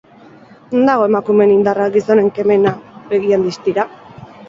Non dago emakumeen indarra, gizonen kemena, begien distira?